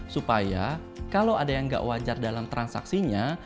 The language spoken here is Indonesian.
supaya kalau ada yang nggak wajar dalam transaksinya